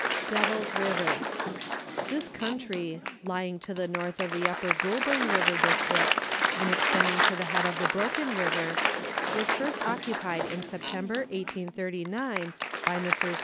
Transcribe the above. DEVIL'S RIVER. This country, lying to the north of the Upper Goulburn River district, and extending to the head of the Broken River, was first occupied in September 1839, by Messrs.